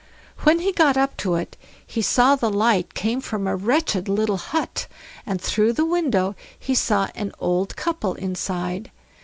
When he got up to it, he saw the light came from a wretched little hut, and through the window he saw an old old couple inside.